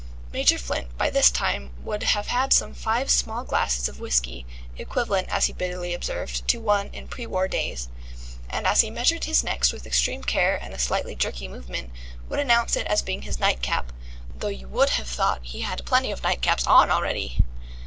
Major Flint by this time would have had some five small glasses of whisky (equivalent, as he bitterly observed, to one in prewar days), and as he measured his next with extreme care and a slightly jerky movement, would announce it as being his night cap, though you would have thought he had plenty of night caps on already.